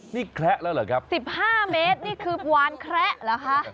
นี่แคละแล้วเหรอครับ๑๕เมตรนี่คือวานแคระเหรอคะ